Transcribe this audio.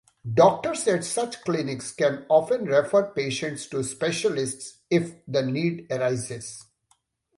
Doctors at such clinics can often refer patients to specialists if the need arises.